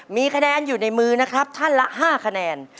มีคะแนนอยู่ในมือนะครับท่านละ๕คะแนน